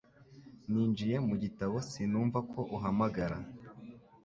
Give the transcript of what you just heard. Ninjiye mu gitabo sinumva ko uhamagara